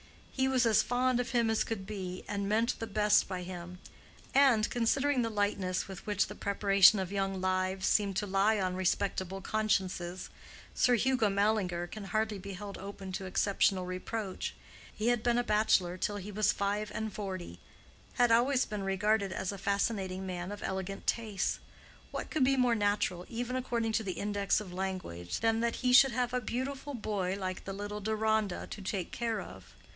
He was as fond of him as could be, and meant the best by him. And, considering the lightness with which the preparation of young lives seem to lie on respectable consciences, Sir Hugo Mallinger can hardly be held open to exceptional reproach. He had been a bachelor till he was five and forty, had always been regarded as a fascinating man of elegant tastes; what could be more natural, even according to the index of language, than that he should have a beautiful boy like the little Deronda to take care of?